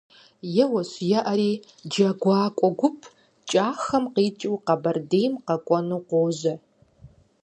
Еуэщ-еӀэри, джэгуакӀуэ гуп КӀахэм къикӀыу Къэбэрдейм къэкӀуэну къожьэ.